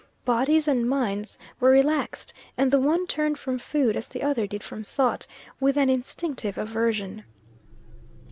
Bodies and minds were relaxed and the one turned from food, as the other did from thought, with an instinctive aversion.